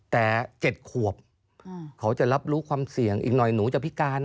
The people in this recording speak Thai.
แต่๗ขวบเขาจะรับรู้ความเสี่ยงอีกหน่อยหนูจะพิการนะ